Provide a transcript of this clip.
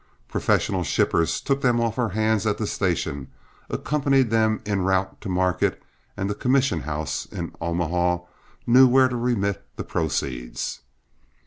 Professional shippers took them off our hands at the station, accompanied them en route to market, and the commission house in Omaha knew where to remit the proceeds.